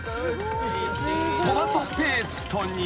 ［トマトペーストに］